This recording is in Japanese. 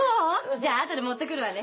じゃああとで持ってくるわね！